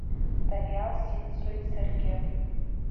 Тариал сиццоит саргьы?!